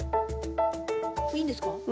いいんですか？